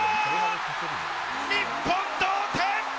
日本同点！